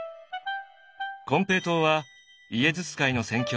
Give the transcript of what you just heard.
金平糖はイエズス会の宣教師